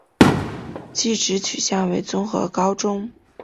技职取向为综合高中。